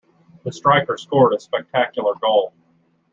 The striker scored a spectacular goal.